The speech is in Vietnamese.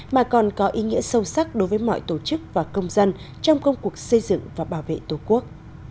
mà còn có ý nghĩa sâu sắc đối với mọi tổ chức và công dân trong công cuộc xây dựng và bảo vệ tổ quốc